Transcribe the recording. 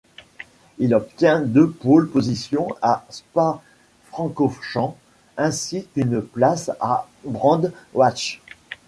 Il obtient deux pole positions à Spa-Francorchamps, ainsi qu'une place à Brands Hatch.